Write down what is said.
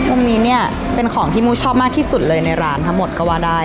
องค์นี้เนี่ยเป็นของที่มูชอบมากที่สุดเลยในร้านทั้งหมดก็ว่าได้